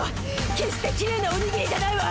決してきれいなおにぎりじゃないわ！